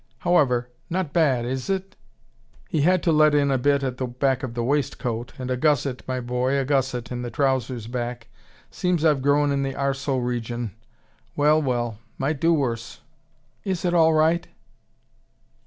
"However not bad, is it? He had to let in a bit at the back of the waistcoat, and a gusset, my boy, a gusset in the trousers back. Seems I've grown in the arsal region. Well, well, might do worse. Is it all right?"